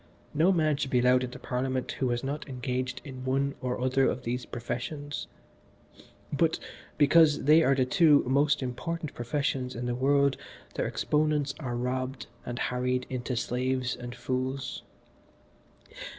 No man should be allowed into Parliament who has not engaged in one or other of these professions, but because they are the two most important professions in the world their exponents are robbed and harried into slaves and fools."